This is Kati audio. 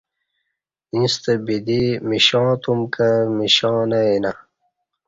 یݩستہ بدی مشاں تم کہ بدی مشانہ یینہ